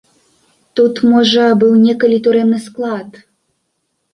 Тут, можа, быў некалі турэмны склад.